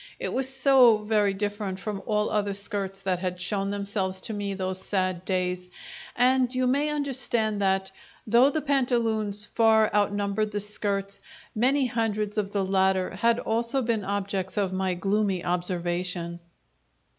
It was so very different from all other skirts that had shown themselves to me those sad days, and you may understand that, though the pantaloons far outnumbered the skirts, many hundreds of the latter had also been objects of my gloomy observation.